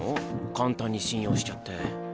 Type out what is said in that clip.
簡単に信用しちゃって。